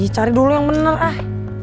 cari dulu yang bener ah